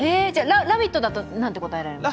「ラヴィット！」だとなんて答えるんですか？